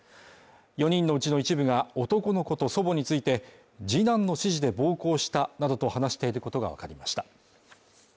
４人のうちの一部が男の子と祖母について、次男の指示で暴行したなどと話していることがわかりました。